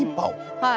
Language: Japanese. はい。